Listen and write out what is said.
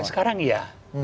sampai sekarang ya